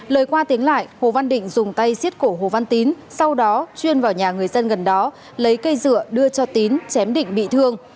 lời qua tiếng lại hồ văn định dùng tay xiết cổ hồ văn tín sau đó chuyên vào nhà người dân gần đó lấy cây dựa đưa cho tín chém định bị thương